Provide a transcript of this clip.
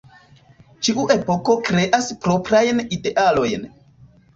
Ĉiu epoko kreas proprajn idealojn.